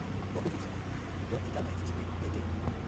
Boku fish been don enter my fishernet tey tey.